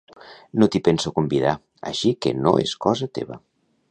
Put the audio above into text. No t'hi penso convidar així que no és cosa teva.